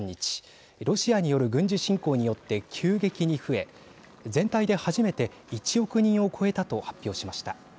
ロシアによる軍事侵攻によって急激に増え全体で初めて１億人を超えたと発表しました。